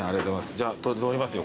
じゃあ取りますよ